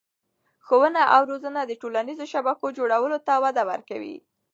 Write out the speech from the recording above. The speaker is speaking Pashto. ښوونه او روزنه د ټولنیزو شبکو جوړولو ته وده ورکوي.